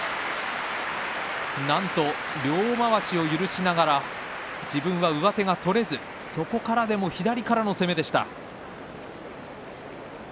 なんと両まわしを許しながら自分は上手が取れずそこから左からの攻めでした。